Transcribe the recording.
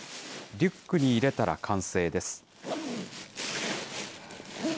リュックに入れたら完成です。